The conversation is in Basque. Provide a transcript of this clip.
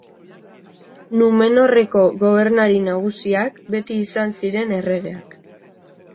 Numenorreko gobernari nagusiak, beti izan ziren erregeak.